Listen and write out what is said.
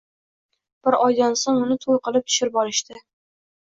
Bir oydan soʼng uni toʼy qilib tushirib olishdi.